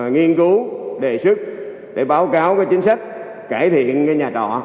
nghiên cứu đề xuất để báo cáo cái chính sách cải thiện cái nhà trọ